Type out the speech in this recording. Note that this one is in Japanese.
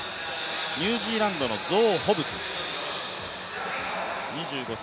ニュージーランドのゾー・ホブス、２５歳。